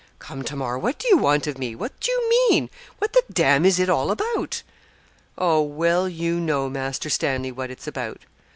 'Come, Tamar, what do you want of me? What do you mean? What the d is it all about?' 'Oh! well you know, Master Stanley, what it's about.'